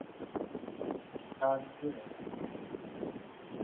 Chag diel bende nitie?